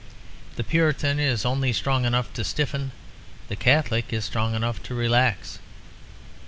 The Puritan is only strong enough to stiffen; the Catholic is strong enough to relax.